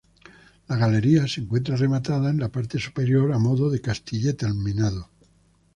La galería se encuentra rematada en la parte superior a modo de castillete almenado.